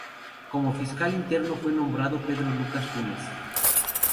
Como fiscal interino fue nombrado Pedro Lucas Funes.